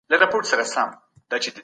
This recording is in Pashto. ایا ستاسو په سیمه کي انټرنیټ چټک دی؟